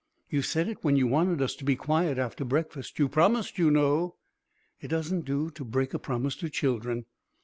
You said it when you wanted us to be so quiet after breakfast. You promised, you know." It doesn't do to break a promise to children.